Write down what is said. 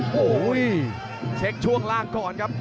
โอ้โหเช็คช่วงล่างก่อนครับ